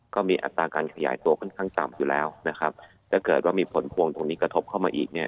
อัตราการขยายตัวค่อนข้างต่ำอยู่แล้วนะครับถ้าเกิดว่ามีผลพวงตรงนี้กระทบเข้ามาอีกเนี่ย